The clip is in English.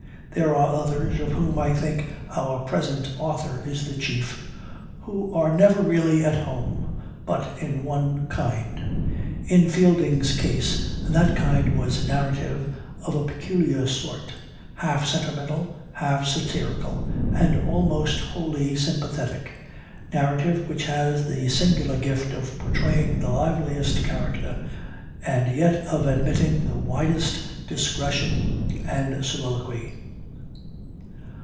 There are others, of whom I think our present author is the chief, who are never really at home but in one kind. In Fielding's case that kind was narrative of a peculiar sort, half sentimental, half satirical, and almost wholly sympathetic narrative which has the singular gift of portraying the liveliest character and yet of admitting the widest disgression and soliloquy.